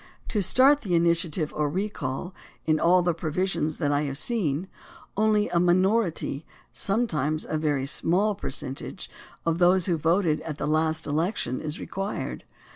To start the initiative or the recall, in all the provisions that I have seen, only a minority, sometimes a very small percentage, of those who voted at the last elec tion is required.